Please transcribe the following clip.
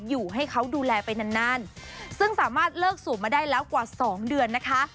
อยู่ให้เขาดูแลไปนานนานซึ่งสามารถเลิกสูบมาได้แล้วกว่าสองเดือนนะคะ